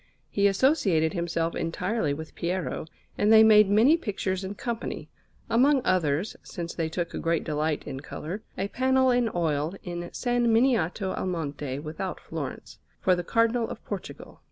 He associated himself entirely with Piero, and they made many pictures in company; among others, since they took great delight in colour, a panel in oil in S. Miniato al Monte without Florence, for the Cardinal of Portugal.